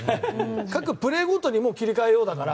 各プレーごとにもう切り替えようだから。